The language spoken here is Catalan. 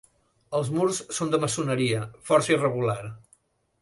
Els murs són de maçoneria força irregular.